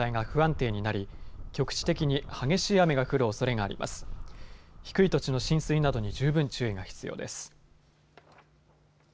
低い土地の浸水などに十分注意が必要です。